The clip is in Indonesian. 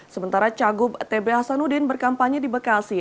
sementara cagup t b hasanuddin berkampanye di bekasi